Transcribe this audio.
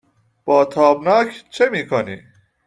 با "تابناک" چه می کنی؟